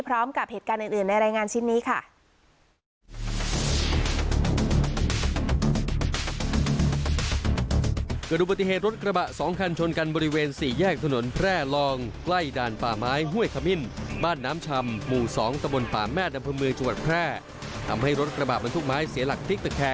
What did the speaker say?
พร้อมกับเหตุการณ์อื่นในรายงานชิ้นนี้ค่ะ